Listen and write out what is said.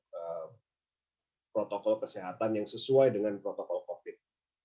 protokol kesehatan yang sesuai dengan protokol covid